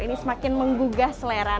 ini semakin menggugah selera